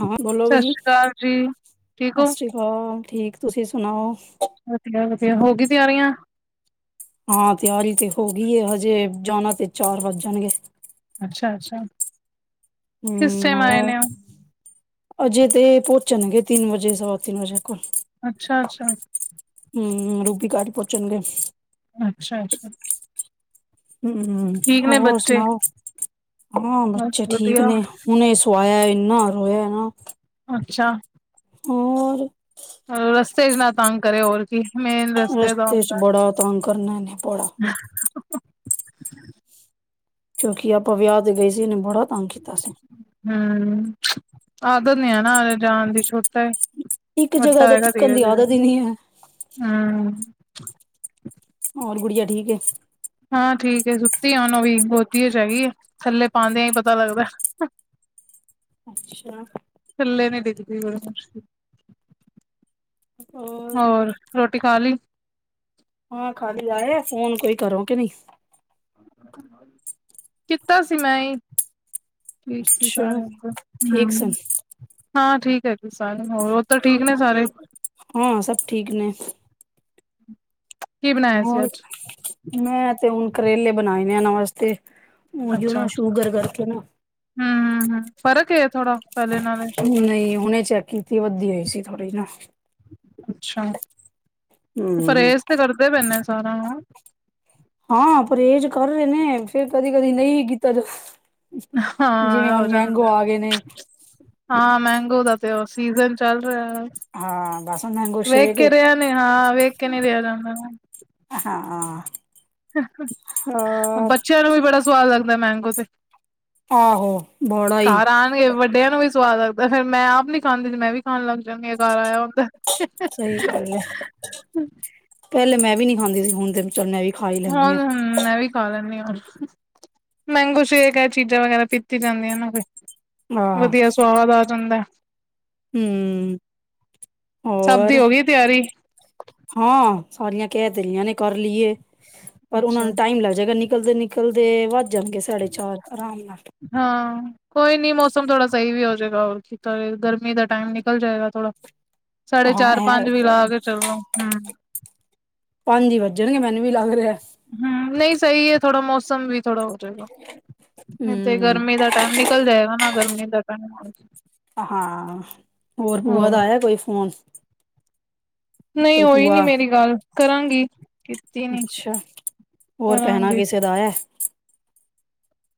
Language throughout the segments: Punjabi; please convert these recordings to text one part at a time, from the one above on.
ਹਾਂ ਬੋਲੋ ਭ ਸਤਿ ਜੀ, ਸ਼੍ਰੀ ਅਕਾਲ ਜੀ, ਠੀਕ ਹੋ? ਸਸ ਸ੍ਰੀ ਕਾਲ। ਠੀਕ ਤੁਸੀਂ ਸੁਣਾਓ। ਵਧੀਆ ਵਧੀਆ, ਹੋ ਗਈ ਤਿਆਰੀਆਂ। ਹਾਂ ਤਿਆਰੀ ਤੇ ਹੋ ਗਈ ਏ, ਹਜੇ ਜਾਣਾ ਤੇ ਚਾਰ ਵੱਜ ਜਾਣਗੇ। ਅੱਛਾ ਅੱਛਾ। ਹਮ ਕਿਸੇ ਆਏ ਹੋਰ ਨੇ ਓ। ਅਜੇ ਤੇ ਪਹੁੰਚਣਗੇ ਤਿੰਨ ਵਜੇ ਸਵਾ ਤਿੰਨ ਵਜੇ ਕੋਲ। ਅੱਛਾ ਅੱਛਾ। ਹੂੰ ਰੂਬੀ ਘਰ ਪਹੁੰਚਨਗੇ। ਅੱਛਾ ਅੱਛਾ। ਹੂੰ, ਹੋਰ ਸੁਣਾਓ। ਹਾਂ ਬਸ ਬੱਚੇ ਠੀਕ ਵਧੀਆ, ਨੇ, ਹੁਨੇ ਈ ਸਵਾਇਆ ਏ। ਕਿੰਨਾ ਰੋਇਆ ਏ ਨਾ। ਅੱਛਾ। ਹੋਰ ਅ ਰਸਤੇ ਨਾ ਤੰਗ ਕਰੇ ਹੋਰ ਕੀ, ਮੇਨ ਦਾ ਰਸਤੇ ਚ ਹੁੰਦਾ। ਬੜਾ ਤਂਗ ਕਰਨਾ। ਇਹਨੇ ਬੜਾ ਕਿਉਂਕਿ ਆਪਾਂ ਵਿਆਹ ਤੇ ਗਏ ਸੀ ।ਇਹਨੇ ਬੜਾ ਤੰਗ ਕੀਤਾ ਸੀ ਹਮ- ਆਦਤ ਨੀ ਹੈ ਨਾ ਜਾਣ ਦੀ ਇੱਕ ਜਗ੍ਹਾ ਤੇ ਵੱਡਾਹੈਗਾ। ਟਿੱਕਣ ਦੀ ਧੀਰੇ-ਧੀਰੇ ਆਦਤ ਹੀ ਨਹੀਂ ਹੈ ਹਮ [unintelligible] ਹੋਰ ਗੁੜੀਆ ਠੀਕ ਹਾਂ, ਠੀਕ ਸੁੱਤੀ ਆਉਣ ਵੀ ਬਹੁਤੀਆ ਤੇਜ ਹੈਗੀ ਆ ਥੱਲੇ ਪਾਉਂਦਿਆਂ ਹੀ ਪਤਾ ਲੱਗਦਾ। ਅੱਛਾ ਥੱਲੇ ਨੀ ਦਿੱਖਦੀ। ਬੜੀ ਮੁੀ ਹੋਰ ਪਕਾ ਲੀ। ਹਾਂ, ਖਾਲੀ ਆਏ ਆ, ਫੋਨ ਕੋਈ ਕਰੋ ਕਿ ਨਹੀਂ ਕੀਤਾ ਸੀ। ਮੈਂ ਠੀਕ ਸੀ ਸਾਰੇ ।ਹਮ ਹਾਂ, ਠੀਕ ਹੈ ।ਜੀ ਸਾਰੇ ਹੋਰ ਉਹ ਤਾਂ ਠੀਕ ਨੇ ਸਾਰੇ ਹਾਂ, ਸਭ ਠੀਕ ਨੇ ਕੀ ਬਣਾਇਆ ਸੀ ਹੋਰ, ਅੱਜ ਮੈਂ ਤੇ ਹੁਣ ਕਰੇਲੇ ਬਣਾਏ। ਹਆ ਨਮਸਤੇ, ਉਹ ਜੋ ਨਾ ਸ਼ੂਗਰ ਕਰਕੇ ਨਾ ਹਮ- ਹਮ-ਹਮ ਫਰਕ ਹੈ। ਨਹੀਂ ਹੁਨੇ ਚੈੱਕ ਕੀਤੀ ਵੱਧਦੀ ਹੋਈ ਸੀ। ਥੋੜ੍ਹੀ ਨਾ ਅੱਛਾ। ਹਮ ਪਰਹੇਜ਼ ਤੇ ਕਰਦੇ ਪੈਂਦੇ [unintelligible] ਹਾਂ, ਪਰਹੇਜ਼ ਕਰ ਰਹੇ ਨੇ ਫੇਰ ਕਦੀ- ਕਦੀ ਨਹੀਂ ਸੀ ਕੀਤਾ ਜਾ ਜਿਵੇਂ ਹਾਂ ਹੋ ਹੁਣ ਮੈਂਗੋ ਜਾਂਦਾ ਆ ਗਏ ਨੇ ਹਾਂ, ਮੈਂਗੋ ਦਾ ਤੇ ਉਹ ਸੀਜਨ ਚੱਲ ਰਿਹਾ ਹਾਂ, ਬੱਸ ਵੇਖ ਕੇ ਰਿਹਾ ਨੇ ਹਾਂ ਵੇਖ ਕੇ ਨਹੀਂ ਰਿਆ ਜਾਂਦਾ- ਹਾਂ-ਹਾਂ। ਬੱਚਿਆਂ ਨੂੰ ਵੀ ਬੜਾ ਸਵਾਦ ਲੱਗਦਾ ਮੈਂਗੋ ਤੇ ਆਹੋ ਬੋਡਾ ਈ। ਇਹਨੂੰ ਵੀ ਸਵਾਦ ਲੱਗਦਾ ਫਿਰ ਮੈਂ ਆਪ ਨਹੀਂ ਖਾਂਦੀ ਸੀ ਮੈਂ ਵੀ ਖਾਣ ਲੱਗ ਜਾਣੀ ਆ ਘਰ ਆਇਆ ਹੁੰਦਾ ਸਹੀ ਗੱਲ ਏ। ਪਹਿਲੇ ਮੈਂ ਵੀ ਨਹੀਂ ਖਾਂਦੀ ਸੀ ਹੁਣ ਤੇ ਚਲ ਮੈਂ ਵੀ ਖਾ ਹੀ ਲੈਂਦੀ ਹੁਣ ਹ ਮੈਂ ਵੀ ਕਾ ਲਦੀ ਹ। ਮੈਂਗੋ ਸ਼ੇਕ ਏਹ ਚੀਜ਼ਾਂ ਵਗੈਰਾ ਪੀਤੀ ਜਾਂਦੀਆਂ ਨਾ ਫੇਰ। ਵਧੀਆ ਸਵਾਦ ਆ ਜਾਂਦਾ। ਹੁੰ ਸਭ ਦੀ ਹੋਰ ਹੋ ਗਈ ਤਿਆਰੀ ਹਾਂ ਸਾਰੀਆਂ ਕਹਿ ਤੇ ਰੀਹੀਆਂ ਨੇ ਕਰ ਲਈਏ। ਪਰ ਉਨ੍ਹਾ ਅੱਛਾ ਨੂੰ ਟਾਈਮ ਲੱਗ ਜਾਏਗਾ ਲਿ ਨਿਕਲਦੇ ਨਿਕਲਦੇ ਵੱ ਹਾਂ, ਕੋਈ ਨੀ ਮੌਸਮ ਥੋੜਾ ਸਹੀ ਵੀ ਹੋਜ ਜੇਗਾ ਗਰਮੀ ਦਾ ਟਾਈਮ ਨਿਕਲ ਜਾਏਗਾ ਥੋੜਾ। ਸਾਢੇ ਹਾਂ ਐ ਚਾਰ-ਪੰਜ ਵੀ ਤੇ ਲਾ ਕੇ ਚਲੋ। ਹੁੰ ਪੰਜ ਹੀ ਵੱਜਣਗੇ ਮੈਨੂੰ ਵੀ ਲੰਘ ਰਿਹਾ। ਹੁੰ ਨਹੀਂ ਸਹੀ ਹੈ ਥੋੜਾ ਮੌਸਮ ਵੀ ਥੋੜੋ ਚਲੋ, ਇਥੇ ਹੂੰ ਗਰਮੀ ਦਾ ਟਾਈਮ ਨਿਕਲ ਜਾਏਗਾ ਨਾ ਗਰਮੀ ਪਤਾ ਨੀ ਕੁਛ। ਹਾਂ, ਹੋਰ ਬੂਆ ਦਾ ਆਇਆ ਕੋਈ ਫੋਨ? ਨਹੀਂ ਕੋਈ ਹੋਈ ਨੀ ਭੂਆ ਮੇਰੀ ਗੱਲ। ਕਰਾਂਗੀ। ਕੀਤੀ ਨੀ ਅੱਛਾ ਹੋਰ ਭੈਣਾ ਕਰਾਂਗੀ ਕਿਸੇ ਦਾ ਆਇਆ।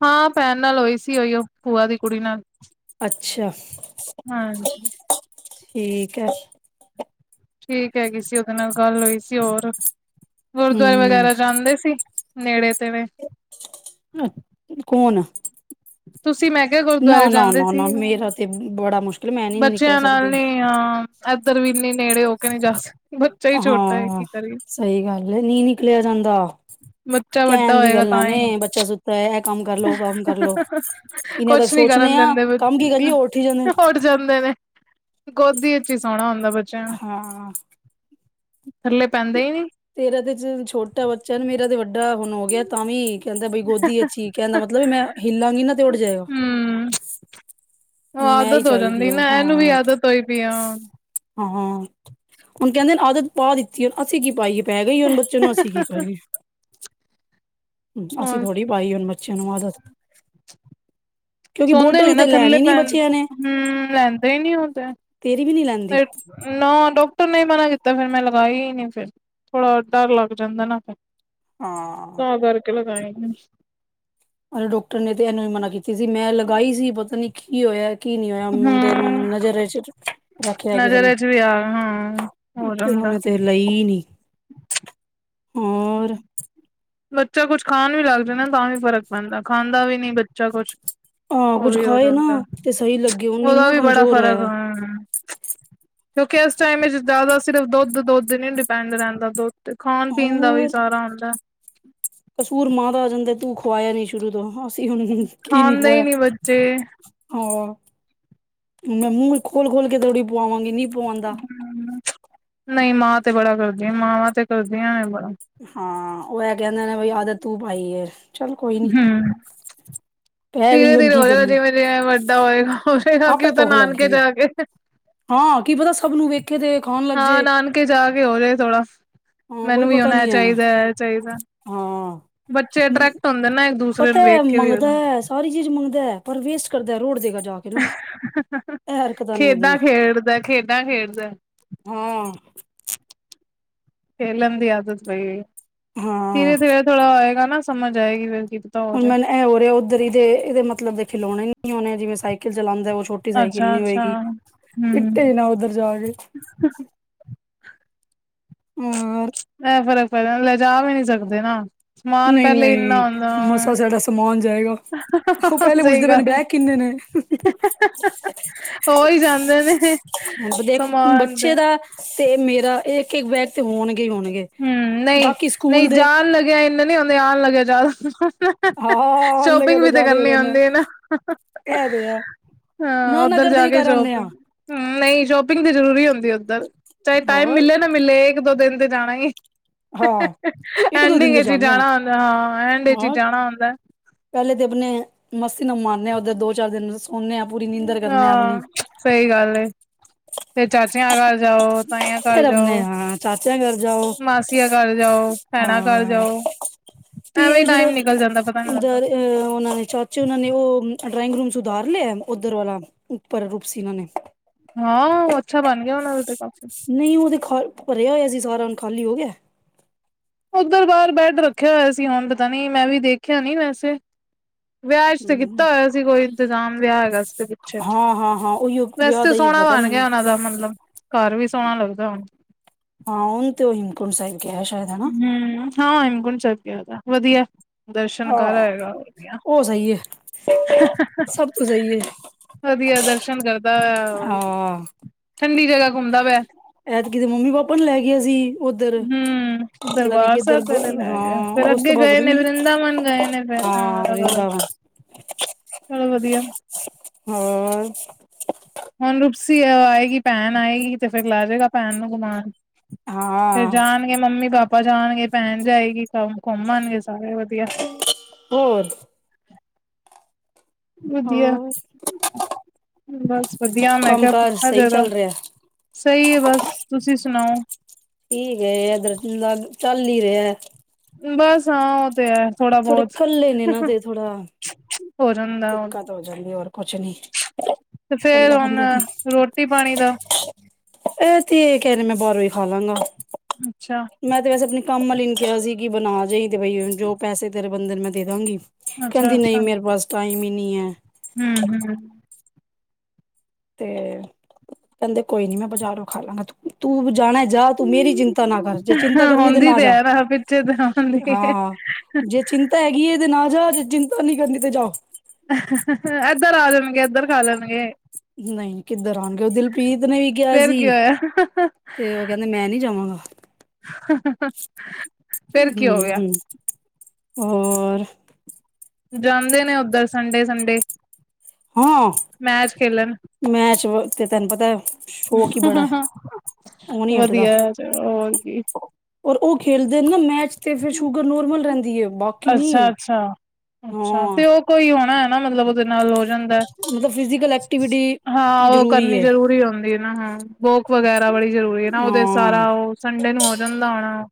ਹਾਂ ਭੈਣ ਨਾਲ ਹੋਈ ਸੀ, ਉਹੀਯੋ ਪੁਆ ਦੀ ਕੁੜੀ ਨਾਲ। ਅੱਛਾ। ਹਾਂਜੀ ਠੀਕ ਹੈ। ਠੀਕ ਹੈਗੀ ਸੀ, ਉਹਦੇ ਨਾਲ ਗੱਲ ਹੋਈ ਸੀ ਹੋਰ ਗੁਰਦੁਆਰੇ ਹੂੰ ਵਗੈਰਾ ਜਾਂਦੇ ਸੀ? ਨੇੜੇ ਤੇੜੇ ਅ ਕੌਣ। ਤੁਸੀਂ ਮੈਂ ਕਿਹਾ ਨਾ ਗੁਰਦੁਆਰੇ ਨਾ ਜਾਂਦੇ ਨਾ ਸੀ। ਨਾ ਮੇਰਾ ਤੇ ਬੜਾ ਮੁਸ਼ਕਿਲ ਮੈਂ ਨੀ ਨਿਕਲ ਬੱਚਿਆਂ ਸਕਦੀ ਨਾਲ ਨੀ ਹਾਂ ਇੱਧਰ ਵੀ ਇੰਨੇ ਨੇੜੇ ਹੋ ਕੇ ਨਹੀਂ ਜਾ ਸਕ ਹਾਂ ਸਹੀ ਗੱਲ ਹੈ ਨੀ ਨਿਕਲਿਆ ਜਾਂਦਾ। ਬੱਚਾ ਵੱਡਾ ਕਹਿਣ ਦੀ ਹੋਏਗਾ ਗੱਲਾਂ ਤਾਂ ਹੀ ਨੇ ਬੱਚਾ ਸੁਤਾਰ ਹੋਆ ਇੰਨੇ ਤੱਕ ਕੁਛ ਨੀ ਸੋਚਣੇ ਕਰਨ ਆ ਦਿੰਦੇ ਕੰਮ ਬੱਚੇ ਕੀ ਕਰੀਏ ਉੱਠ ਹੀ ਜਾਂਦੇ ਨੇ ਉੱਠ ਜਾਂਦੇ ਨੇ ਗੋਦੀ ਚ ਹੀ ਸੋਹਣਾ ਹੁੰਦਾ ਬੱਚੇ ਹਾਂ। ਥੱਲੇ ਪੈਂਦੇ ਹੀ ਨੀ। ਤੇਰਾ ਤੇ ਚਲ ਛੋਟਾ ਬੱਚਾ ਨਾ ਮੇਰਾ ਤੇ ਵੱਡਾ ਹੋ ਗਿਆ ਤਾਂ ਵੀ ਕਹਿੰਦਾ ਬਈ ਗੋਦੀ ਚ ਹੀ ਕਹਿੰਦਾ ਮਤਲਬ ਵੀ ਮੈਂ ਹਿੱਲਾਂਗੀ ਨਾ ਤੇ ਉੱਡ ਜਾਏਗਾ। ਹਮ ਉਹ ਉਹਨੂੰ ਮੈਂ ਹੀ ਆਦਤ ਹੋ ਚਾਹੀਦੀ ਜਾਂਦੀ ਆ ਨਾ ਇਹਨੂੰ ਵੀ ਆਦਤ ਹੋਈ ਪਈ ਆ। ਹਾ ਹੁਣ ਕਹਿੰਦੇ ਆਦਤ ਪਾਦਿਤੀ ਐ ਹੁਣ ਅਸੀ ਕੀ ਪਈ ਐ। ਪੈਗਈ ਹਨ ਬਾਚਏ ਨੂੰ ਅਸੀ ਕੀ ਕਰੀਏ। ਅਸੀ ਹੁਣ ਥੋੜੀ ਪਾਈਐ ਹੁਣ ਬੱਚਿਆਂ ਨੂੰ ਆਦਤ ਕਿਉਂਕਿ ਸੁਣਦੇ ਨੇ ਬੋਟਲ ਨਾ ਤੇ ਥੱਲੇ ਲੈਣੀ ਨੀ ਪੈਣ ਬੱਚਿਆਂ ਨੇ ਲੈਂਦੇ ਹੀ ਨਹੀਂ ਤੇਰੀ ਵੀ ਨੀ ਲੈਂਦੀ [unintelligible] ਨੀ ਮਨਾ ਕੀਤਾ ਫਿਰ ਮੈਂ ਲਗਾਈ ਹੀ ਨਹੀਂ ਫਿਰ ਥੋੜਾ ਡਰ ਲੱਗ ਜਾਂਦਾ ਨਾ। ਹਾ ਤਾਂ [inaudible] ਹਲੇ ਡਾਕਟਰ ਨੇ ਤੇ ਇਨ੍ਹਾਂ ਨੂੰ ਮਨਾ ਕੀਤੀ ਸੀ ਮੈ ਲਗਾਈ ਸੀ ਪਤਾ ਨੀ ਕੀ ਹੋਇਆ। ਕੀ ਨੀ ਹੋਇਆ ਮੁੰਡੇ ਨੂੰ ਹੂੰ ਨਜ਼ਰ ਚ ਰਖਲਿਆ ਕਿਸੇ ਨੇ ਨਜ਼ਰ ਚ ਵੀ ਆ ਹਾਂ ਹੋ ਜਾਂਦਾ ਓਨੇ ਤੇ ਲਈ ਹੀ ਨੀ [unintelligible] ਬੱਚਾ ਕੁਝ ਖਾਣ ਨੂੰ ਲੱਗਦਾ ਨਾ ਤਾਂ ਵੀ ਫਰਕ ਪੈਂਦਾ ਖਾਣ ਦਾ ਵੀ ਨਹੀਂ ਬੱਚਾ ਕੁਛ ਹਾਂ ਉਹ ਕੁਝ ਵੀ ਹੋ ਖਾਏ ਨਾ ਜਾਂਦਾ ਤੇ ਸਹੀ ਲੱਗੇ ਉਹਦਾ ਨ ਵੀ ਬੜਾ ਕਮਜ਼ੋਰ ਫ਼ਰਕ ਐ। ਹਾਂ ਕਿਉਂਕਿ ਇਸ ਟਾਈਮ ਜਿੱਦਾਂ ਦਾ ਸਿਰਫ ਦੁੱਧ ਦੋ ਦਿਨ ਹੀ ਡਿਪੈਂਡ ਰਹਿੰਦਾ ਦੁੱਧ ਤੇ ਖਾਣ ਪੀਣ ਦਾ ਵੀ ਹੋਰ ਸਾਰਾ ਹੁੰਦਾ ਕਸੂਰ ਮਾਂ ਦਾ ਆ ਜਾਂਦਾ ਤੂੰ ਖਵਾਇਆ ਨੀ ਸ਼ੁਰੂ ਤੋਂ ਹਨ ਕਿ ਨੀ ਖਾਂਦੇ ਹੀ ਖਵਾਇਆ ਬੱਚੇ ਹਨ ਮੈ ਮੂੰਹ ਖੋਲ ਖੋਲ ਕੇ ਥੋੜ੍ਹੀ ਪੁਵੰਗੀ ਨੀ ਪੁਆਉਂਦਾ ਹੂੰ ਨਹੀਂ ਮਾਂ ਤੇ ਬੜਾ ਕੁਝ ਮਾਵਾਂ ਤੇ ਕਰਦੀ ਆ ਹਾਂ ਉਹ ਮੈਂ ਕਿਹਾ ਉਹਨਾਂ ਨੇ ਆਦਾ ਤੂੰ ਭਾਈ ਹਨ ਪੈ ਗਈ ਧੀਰ ਹੁਣ ਧੀਰੇ ਕੀ ਹੋਜੂ ਕਰੀਏ ਜਿਵੇਂ ਜਿਵੇਂ ਵਡਾ ਹੋਵੇਗਾ। ਖ਼ੁਸ਼ ਐ ਉਹ ਆਪੇ ਤੇ ਭੁੱਖ ਲੱਗ ਨਾਨਕੇ ਜਾਕੇ। ਸਬ ਨੂੰ ਵੇਖ ਹਾ ਨਾਨਕੇ ਜਾਕੇ ਹੋਜੇ ਥੋੜਾ ਹਾਂ ਕੋਈ ਮੈਨੂੰ ਵ ਪਤਾ ਹੁਣ ਐ ਨੀ ਹੈ ਚਾਹੀਦਾ ਐ ਚਾਹੀਦਾ ਬੱਚੇ ਟ੍ਰੈਕਟ ਹੁੰਦੇ ਨੇ ਓਹ ਤੇ ਮੰਗਦਾ ਸਾਰੀ ਚੀਜ਼ ਮੰਗਦਾ ਪਰ ਵੇਸਟ ਕਰਦਾ ਰੋਡ ਦੇਗਾ ਜਾ ਕੇ ਨਾ ਇਹ ਹਰਕਤਾਂ ਨੇ ਖੇਡਾਂ ਇਹਦੀਆਂ ਖੇਡਦਾ ਖੇਡਾਂ ਖੇਡਦਾ ਹਾਂ ਖੇਲਣ ਦੀ ਆਦਤ ਪੇਗਈ ਹਾਂ ਧੀਰੇ ਧੀਰੇ ਥੋੜਾ ਹੋਏਗਾ ਐ ਨ ਸਮਜ ਆਏਗੀ ਫੇਰ ਹੁਨ ਮੈਨੂੰ ਐ ਹੋ ਰਿਆ ਉਧਰ ਏਦੇ ਮਤਲਬ ਦੇ ਖਿਡੌਣੇ ਹਨ ਐ ਜਿਵੇਂ ਸਾਈਕਲ ਚਲਾਦਾ ਛੋਟੀ ਸਾਈਕਲ ਅੱਛਾ ਨੀ ਅੱਛਾ ਹੋਏਗੀ। ਹੂੰ ਪਿੱਟੇ ਨਾ ਉੱਧਰ ਜਾ ਕੇ। ਹਾਂ ਇਹ ਫ਼ਰਕ ਪੈ ਜਾਂਦਾ ਲੈਜਾ ਵੀ ਨਹੀਂ ਸਕਦੇ ਨਾ। ਸਮਾਨ ਪਹਿਲੇ ਇੰਨਾ ਨਹੀਂ-ਨਹੀਂ ਹੁੰਦਾ ਮਸਾ ਸਾਡਾ ਸਮਾਨ ਜਾਏਗਾ। ਉਹ ਪਹਿਲੇ ਸਹੀ ਪੁੱਛਦੇ ਪਏ ਨੇ ਗੱਲ ਬੈਗ ਕਿੰਨੇ ਨੇ। ਹੋ ਹੀ ਜਾਂਦੇ ਨੇ ਦੇਖ ਸਮਾਨ ਤੇ ਬੱਚੇ ਦਾ ਤੇ ਮੇਰਾ ਇਹ ਇਕ ਬੈਗ ਤੇ ਹੋਣ ਗੇ। ਹੂੰ ਨਹੀਂ-ਨਹੀਂ ਜਾਣ ਲੱਗਿਆ ਇਨਾ ਹੁਣੇ ਆਉਣ ਲੱਗਿਆ ਜਿਆਦਾ [unintelligible] ਹਾਂ ਅਨਲਗੇ ਸ਼ੋਪਿੰਗ ਵੀ ਤੇ ਜ਼ਿਆਦਾ ਹੀ ਹੋ ਕਰਨੀ ਜਾਂਦਾ ਹੁੰਦੀ ਹੈ ਨਾ। ਇਹ ਤੇ ਹੈ ਹਾਂ, ਨਾਨਾ ਓਦਰ ਕਰਦੇ ਜਾ ਵੀ ਕੇ ਕਰ ਆਨੇ ਸ਼ੋਪਿੰਗ ਆ ਨਹੀਂ ਸ਼ੋਪਿੰਗ ਤੇ ਜ਼ਰੂਰੀ ਹੁੰਦੀ ਉੱਧਰ। ਚਾਹੇ ਟਾਈਮ ਹੋਰ ਮਿਲੇ ਨਾ ਮਿਲੇ ਇੱਕ, ਦੋ ਦਿਨ ਤੇ ਜਾਣਾ ਏ ਹਾਂ ਇੱਕ ਦੋ ਦਿਨ ਤੇ ਐਂਡਿੰਗ ਚ ਹੀ ਜਾਂਦੇ ਹਾਂ ਜਾਣਾ ਹੁੰਦਾ ਹਾਂ, ਐਂਡ ਵਿਚ ਹੀ ਹੋਰ ਜਾਣਾ ਹੁੰਦਾ। ਤੀ ਮਾਰਦੇ ਆਂ ਉਹਦੇ ਦੋ, ਚਾਰ ਦਿਨ। ਸੋਨੇ ਆ ਪੂਰੀ ਨੀਂਦਰ ਕਰਨੇ ਆ ਆਪਣੀ ਹਾਂ, ਸਹੀ ਗੱਲ ਏ । ਫਿਰ ਚਾਚਿਆਂ ਘਰ ਜਾਓ, ਤਾਈਆਂ ਘਰ ਫੇਰ ਆਪਣੇ ਜਾਓ, ਹਾਂ ਚਾਚਿਆਂ ਘਰ ਜਾਓ ਮਾਸੀ ਹਾਂ, ਤੇ ਐਵੇਂ ਹੀ ਇਹ ਟਾਈਮ ਜਿਹੜੇ ਨਿਕਲ ਜਾਂਦਾ ਪਤਾ ਨੀ ਲੱਗਦਾ। ਇਧਰ ਉਹਨਾਂ ਨੇ ਚਾਚੇ ਉਹਨਾਂ ਨੇ ਉਹ ਡਰਾਇੰਗ ਰੂਮ ਸੁਧਾਰ ਲਿਆ ਉਧਰ ਵਾਲਾ ਉੱਪਰ ਰੂਪਸੀਨਾ ਨੇ। ਹਾਂ, ਅੱਛਾ ਬਣ ਗਿਆ ਉਹਨਾਂ ਦੇ ਤੇ। ਕਾਫੀ। ਨਹੀਂ ਉਹਦੇ ਖ ਭਰਿਆ ਹੋਇਆ ਸੀ ਸਾਰਾ ਹੁਣ ਖਾਲੀ ਹੋ ਗਿਆ। ਉੱਧਰ ਬਾਹਰ ਬੈਡ ਰੱਖਿਆ ਹੋਇਆ ਸੀ ਹੁਣ ਪਤਾ ਨੀ ਮੈਂ ਵੀ ਦੇਖਿਆ ਨੀ ਵੈਸੇ। ਵਿਆਹ ਚ ਤੇ ਹਮ ਕੀਤਾ ਹੋਇਆ ਸੀ ਕੋਈ ਇੰਤਜ਼ਾਮ। ਵਿਆਹ ਹੈਗਾ ਸੀ ਤੇ ਪਿੱਛੇ, ਹਾਂ ਹਾਂ ਹਾਂ ਉਹੀਓ ਵੈਸੇ ਵਿਆਹ ਤਾਂ ਦਾ ਹੀ ਸੋਹਣਾ ਪਤਾ ਬਣ ਗਿਆ ਮੈਨੂੰ ਉਹਨਾਂ ਦਾ ਮਤਲਬ। ਘਰ ਵੀ ਸੋਹਣਾ ਲੱਗਦਾ ਹੁਣ। ਹਾਂ, ਉਣ ਤੇਓ ਹੇਮਕੁੰਟ ਸਾਹਿਬ ਗਿਆ ਸ਼ਾਇਦ ਹਨਾ। ਹੂੰ ਹਾਂ, ਹੇਮਕੁੰਡ ਸਾਹਿਬ। ਜਾਦਾ ਵਧੀਆ। ਦਰਸ਼ਨ ਹਾਂ। ਕਰ ਆਏ ਗਾ। [unintelligible] ਉਹ ਸਹੀ ਹੈ ਸਭ ਤੋਂ ਸਹੀ ਹੈ ਵਧੀਆ-ਵਧੀਆ ਦਰਸ਼ਨ ਕਰਦਾ ਆ ਹਾਂ ਠੰਡੀ ਜਗ੍ਹਾ ਘੁੰਮਦਾ ਪਿਆ। ਮੰਮੀ-ਪਾਪਾ ਨੂੰ ਲੈ ਗਿਆ ਸੀ। ਉਧਰ ਹੂੰ ਪਤਾ ਨਹੀਂ ਦਰਬਾਰ ਕਿਧਰ। ਸਾਹਿਬ ਪਹਿਲੇ ਲੈ ਗਏ ਹਾਂ, ਫੇਰ ਉਸ ਤੋਂ ਅੱਗੇ ਬਾਅਦ ਗਏ ਪਤਾ ਨੇ ਨਹੀਂ ਵਰਿੰਦਾਵਨ ਗਏ ਨੇ ਫੇਰ ਹਾਂ ਅਲੱਗ-ਅਲੱਗ ਵਰਿੰਦਾਵਨ ਚਲੋ ਵਧੀਆ ਹਮ। ਹੁਣ ਰੁਪਸੀ ਆਏਗੀ ਭੈਣ ਆਏਗੀ ਤੇ ਫਿਰ ਲੈ ਜਾਏਗਾ ਭੈਣ ਨੂੰ ਗੁਮਾਉਣ। ਫਿਰ ਹਾਂ ਜਾਣਗੇ ਮੰਮੀ-ਪਾਪਾ ਪਾਪਾਂ ਜਾਣਗੇ, ਪਹਿਣ ਜਾਏਗੀ। ਤਬ ਘੁੰਮ ਆਉਂਣੇ ਸਾਰੇ ਵਧੀਆ। ਹੋਰ ਵਧੀਆ ਹੋਰ ਬਸ ਵਧੀਆ ਮੈਂ ਕੰਮ ਕਿਹਾ ਕਾਰ ਪੁੱਛਾਂ ਸਹੀ ਜ਼ਦ ਚੱਲ ਰਿਹਾ ਸਹੀ। ਬਸ ਤੁਸੀਂ ਸੁਣਾਓ? ਠੀਕ ਹੈ ਅਗਰ ਚੁੱਲਾ ਚੱਲ ਰਿਹਾ ਹੈ? ਬਸ ਹਾਂ ਉਹ ਤੇ ਹੈ। ਥੋੜਾ ਥੋੜੇ ਬਹੁਤ ਕੱਲੇ ਨੇ ਇਹ ਨਾ ਦੇ ਥੋੜਾ। ਹੋ ਜਾਂਦਾ ਹੋ ਦਿੱਕਤ ਜਾਂਦੀ ਹੋਰ ਕੁਛ ਨੀ ਤੇ ਫੇਰ ਕੱਲੇ ਹੁਣ ਬੰਦੇ ਦੀ ਰੋਟੀ ਪਾਣੀ ਦਾ? ਇਹ ਤੇ ਇਹ ਕਹਿ ਰਹੀ ਹੈ ਮੈਂ ਬਾਹਰੋਂ ਹੀ ਖਾ ਲਾਂਗਾ। ਅੱਛਾ ਮੈਂ ਤੇ ਵੈਸੇ ਆਪਣੀ। ਕੰਮ ਵਾਲੀ ਨੂੰ ਕਿਹਾ ਸੀ ਕਿ ਬਣਾ ਜਏ ਦਵਾਈ ਜੋ ਪੈਸੇ ਤੇਰੇ ਬਣਦੇ ਮੈਂ ਦੇ ਦਾਂਗੀ। ਅੱਛਾ ਕਹਿੰਦੀ ਨਹੀਂ ਅੱਛਾ ਮੇਰੇ ਪਾਸ ਟਾਈਮ ਨਹੀਂ? ਨਹੀਂ ਹੈ। ਹੂੰ ਹੂੰ। ਤੇ ਕਹਿੰਦੇ ਕੋਈ ਨੀ ਮੈਂ ਬਜ਼ਾਰੋਂ ਖਾ ਲਾਂਗਾ ਤੂੰ ਜਾਣਾ? ਜਾ ਤੂੰ ਮੇਰੀ ਚਿੰਤਾ ਨਾ ਕਰ ਜੇ ਚਿੰਤਾ ਹਾਂ ਕਰਨੀ ਤੇ ਹੁੰਦੀ ਨਾ ਜਾ ਹੈ ਪਿੱਛੇ ਤੇ ਹੁੰਦੀ ਏ। ਹਾਂ ਜੇ ਚਿੰਤਾ ਹੈਗੀ ਹੈ ਤੇ ਨਾ ਜਾ। ਜੇ ਚਿੰਤਾ ਨੀ ਕਰਨੀ ਤੇ ਜਾਓ। ਇੱਧਰ ਆ ਜਾਣਗੇ ਇੱਧਰ ਖਾ ਲੈਣਗੇ। ਨਹੀਂ ਕਿੱਧਰ ਆਉਣਗੇ ਉਹ ਦਿਲਪ੍ਰੀਤ ਨੇ ਵੀ ਕਿਹਾ ਫੇਰ ਸੀ ਕੀ ਹੋਇਆ। ਤੇ ਉਹ ਕਹਿੰਦੇ ਮੈਂ ਨੀ ਜਾਵਾਂਗਾ ਫੇਰ ਕੀ ਹੂੰ ਹੋ ਗਿਆ ਹੂੰ। ਹੋਰ? ਜਾਂਦੇ ਨੇ ਉੱਧਰ ਸੰਡੇ ਸੰਡੇ। ਹਾਂ ਮੈਂਚ ਵ ਤੈਨੂੰ ਪਤਾ? ਪਤਾ। ਉਹ ਨੀ ਹਟਦਾ। ਵਧੀਆ ਚਲ ਹੋਰ ਕੀ? ਔਰ ਉਹ ਖੇਲਦੇ ਨੇ ਨਾ ਮੈਚ। ਤੇ ਫਿਰ ਸ਼ੂਗਰ ਨੋਰਮਲ ਰਹਿੰਦਾ । ਦੀਓ। ਅੱਛਾ ਅੱਛਾ ਅੱਛਾ ਹਾਂ ਤੇ ਉਹ ਕੋਈ ਹੋਣਾ? ਨਾ ਮਤਲਬ। ਉਹਦੇ ਨਾਲ ਹੋ ਜਾਂਦਾ ਮਤਲਬ ਫਿਜ਼ਕਲ ਐਕਟੀਵਿਟੀ ਹਾਂ ਉਹ ਕਰਨੀ ਜ਼ਰੂਰੀ ਹੁੰਦੀ ਹੈ ਨਾ ਹਾਂ। ਬੋਕ ਵਗੈਰਾ। ਹੁੰਦਾ ਬੜੀ ਜ਼ਰੂਰੀ ਹੈ ਨਾ ਉਹਦੇ ਹਾਂ ਸਾਰਾ ਉਹ ਸੰਡੇ ਨੂੰ ਹੋ ਜਾਂਦਾ ਹੋਣਾ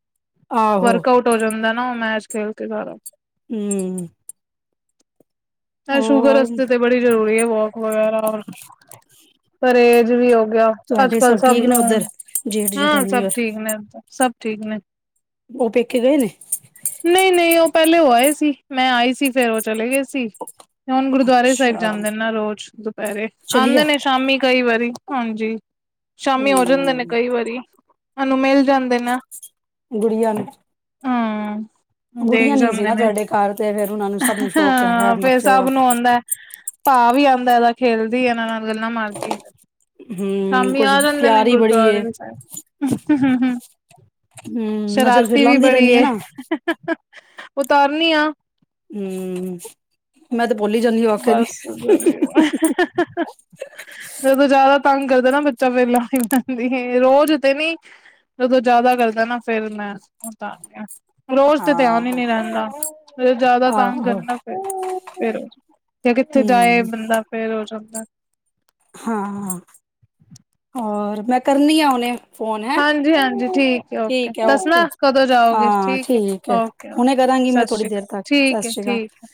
ਆਹੋ ਵਰਕ ਆਊਟ ਹੋ ਜਾਂਦਾ ਨਾ ਉਹ ਮੈਚ। ਤੇ ਦੁਆਰਾ ਹੂੰ। ਹੈ ਸ਼ੂਗਰ ਵਾਸਤੇ ਤੇ ਬੜੀ ਜ਼ਰੂਰੀ ਹੈ। ਵਗੈਰਾ ਪਰਹੇਜ ਵੀ ਹੋ ਅੱਜ, ਤੁਹਾਡੇ ਕੱਲ ਸਭ ਠੀਕ ਨੇ ਉੱਧਰ ਜੇਠ ਨੂੰਹਾਂ ਜਠਾਣੀ ਸਭ ਔਰ ਠੀਕ ਨੇ ਸਭ ਠੀਕ ਨੇ। ਉਹ ਪੇਕੇ ਗਏ ਨੇ ਨਹੀਂ ਨਹੀਂ ਉਹ ਪਹਿਲੇ ਉਹ ਆਏ ਸੀ ਮੈਂ ਆਈ ਸੀ ਫੇਰ ਉਹ ਚਲੇ ਗਏ ਸੀ ਸੀ। ਹੁਣ ਗੁਰਦੁਆਰੇ ਸਾਹਿਬ ਅੱਛਾ ਜਾਂਦੇ ਨੇ ਨਾ ਰੋਜ਼ ਦੁਪਹਿਰੇ ਚਲੀਆ ਆਉਂਦੇ ਨੇ ਸ਼ਾਮੀ ਕਈ ਵਾਰੀ ਹਾਂਜੀ। ਸ਼ਾਮੀ ਹੋ ਹਮ ਜਾਂਦੇ ਨੇ ਕਈ ਵਾਰੀ ਉਹਨੂੰ ਮਿਲ ਜਾਂਦੇ ਨੇ ਗੁੜੀਆਂ ਨੇ ਹਮ ਦੇਖ ਗੁੜੀਆਂ ਨੀ ਸੀ ਜਾਂਦੇ ਨਾ ਨੇ ਤੁਹਾਡੇ ਘਰ ਤੇ ਫੇਰ ਉਹਨਾ ਨੂੰ ਸਭ ਨੂੰ ਸ਼ੌਕ ਹੈ। ਬੱਚੇ ਦਾ ਸਬ ਨੂੰ ਹੁੰਦਾ ਹੈ। ਆਾਹ ਵੀ ਆਉਂਦਾ ਇਹਦਾ ਖੇਲਦੀ ਇਹਨਾਂ ਨਾਲ ਗੱਲਾਂ ਮਾਰਦੀ ਫਿਰ ਹਮ ਸ਼ਾਮੀ ਕੁੱਝ ਆ ਜਾਦੇ ਨੇ ਪਿਆਰ ਹੀ ਬੜੀ ਏ ਗੁਰਦੁਆਰੇ ਸਾਹਿਬ ਹਮ ਨਜ਼ਰ ਫਿਰ ਸ਼ਰਾਰਤੀ ਵੀ ਲਾਂਦੀ ਬੜੀ ਰਹਿੰਦੀ ਹੈ ਨਾ ਉਤਾਰਨੀ ਆ ਹੂੰ। ਬਸ ਵਧੀਆ, ਜਦੋਂ ਜ਼ਿਆਦਾ ਤੰਗ ਕਰਦਾ ਨਾ ਬੱਚਾ ਫੇਰ ਲਾ ਹੀ ਪੈਂਦੀ ਰੋਜ਼ ਤੇ ਨੀ ਜਦੋਂ ਜ਼ਿਆਦਾ ਕਰਦਾ ਨਾ ਫੇਰ ਮੈਂ ਉਤਾਰ ਦੀ ਆ ਰੋਜ਼ ਤੇ ਧਿਆਨ ਹਾਂ ਹੀ ਨਹੀਂ ਰਹਿੰਦਾ ਜ਼ਿਆਦਾ ਤੰਗ ਆਹੋ ਕਰਨਾ ਫਿਰ ਫਿਰ ਜੇ ਕਿੱਥੇ ਜਾਏ ਹਮ ਬੰਦਾ ਫੇਰ ਹੋ ਜਾਂਦਾ [unintelligible] ਹਾਂ, ਹੋਰ ਮੈਂ ਕਰਨੀ ਆ ਹਨੇ ਹਾਂਜੀ, ਹਾਂਜੀ। ਠੀਕ ਹੈ ਓਕੇ ਦੱਸਣਾ ਕਦੋਂ ਜਾਓਗੇ ਹਾਂ ਠੀਕ ਹੈ ਓਕੇ, ਹੁਣੇ ਓਕੇ। ਕਰਾਂਗੀ ਮੈਂ ਸਤਿ ਥੋੜ੍ਹੀ ਸ਼੍ਰੀ ਦੇਰ ਅਕਾਲ। ਤੱਕ ਸਤਿ ਠੀਕ ਹੈ। ਸ਼੍ਰੀ ਅਕਾਲ ਠੀਕ ਹੈ।